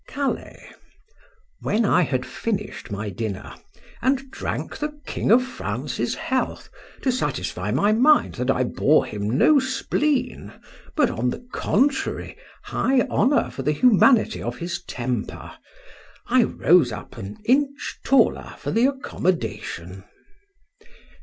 — CALAIS. When I had fished my dinner, and drank the King of France's health, to satisfy my mind that I bore him no spleen, but, on the contrary, high honour for the humanity of his temper,—I rose up an inch taller for the accommodation.